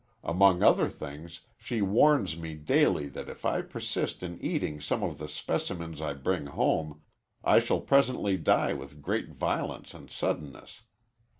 Among other things, she warns me daily that if I persist in eating some of the specimens I bring home, I shall presently die with great violence and suddenness.